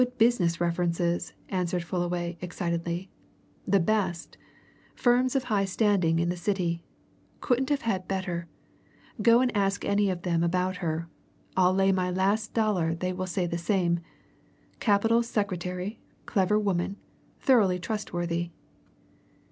"Good business references!" answered Fullaway excitedly. "The best! Firms of high standing in the City. Couldn't have had better. Go and ask any of them about her I'll lay my last dollar they will say the same. Capital secretary clever woman thoroughly trustworthy!"